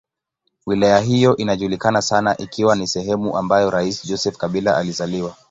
Wilaya hiyo inajulikana sana ikiwa ni sehemu ambayo rais Joseph Kabila alizaliwa.